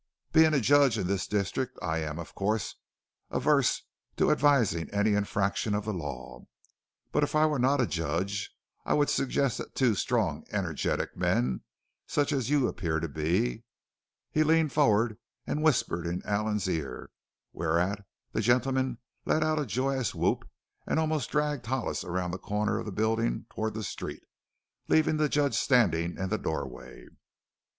"Being a judge in this district I am, of course, averse to advising any infractions of the law. But if I were not a judge I would suggest that two strong, energetic men such as you appear to be " He leaned forward and whispered in Allen's ear, whereat that gentleman let out a joyous whoop and almost dragged Hollis around the corner of the building toward the street, leaving the Judge standing in the doorway.